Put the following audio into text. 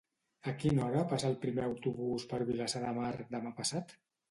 A quina hora passa el primer autobús per Vilassar de Mar demà passat?